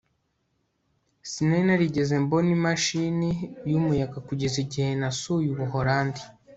sinari narigeze mbona imashini yumuyaga kugeza igihe nasuye ubuholandi